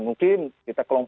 mungkin kita kelompoknya